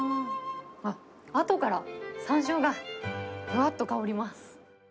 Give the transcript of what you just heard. あとからさんしょうがふわーっと香ります。